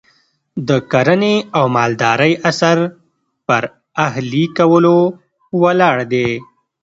د کرنې او مالدارۍ عصر پر اهلي کولو ولاړ دی.